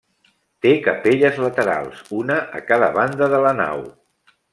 Té capelles laterals, una a cada banda de la nau.